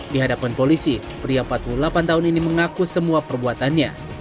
di hadapan polisi pria empat puluh delapan tahun ini mengaku semua perbuatannya